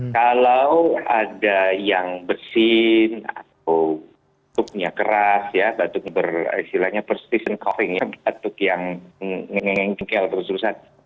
kalau ada yang bersin atau batuknya keras ya batuk yang persis dan kering ya batuk yang mengengkel atau susat